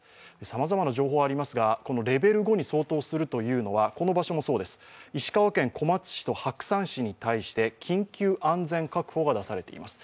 さまざまな情報がありますが、レベル５に相当するというのはこの場所もそうです、石川県小松市と白山市に対して緊急安全確保が出されています。